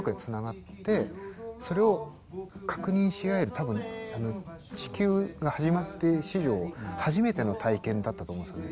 多分地球が始まって史上初めての体験だったと思うんですよね。